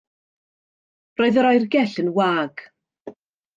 Roedd yr oergell yn wag.